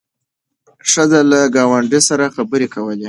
ښځه له ګاونډۍ سره خبرې کولې.